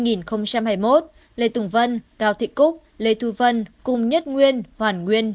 từ năm hai nghìn một mươi chín đến hai nghìn hai mươi một lê tùng vân cao thị cúc lê thu vân cùng nhất nguyên hoàn nguyên